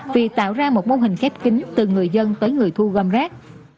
vì tạo ra một mô hình khép kính từ người dân tới người thu gom rác